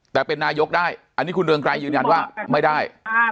แต่เป็นนายกได้อันนี้คุณเรืองไกรยืนยันว่าไม่ได้